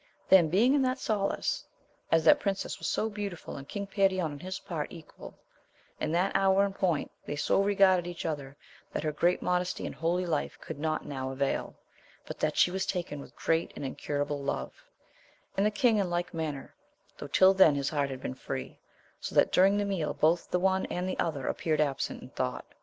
Then being in that solace, as that princess was so beautiful and King Perion on his part equal, in that hour and point they so regarded each other, that her great modesty and holy life could not now avail, but that she was taken with great and incurable love ; and the king in like manner, though till then his heart had been free, so that during the meal both the one and the other appeared absent in thought.